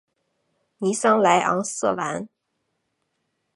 尼桑莱昂瑟兰。